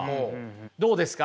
どうですか？